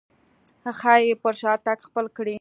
ښايي پر شا تګ خپل کړي.